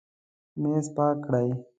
میز پاک کړئ